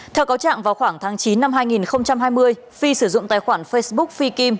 theo cáo trạng vào khoảng tháng chín năm hai nghìn hai mươi phi sử dụng tài khoản facebook phi kim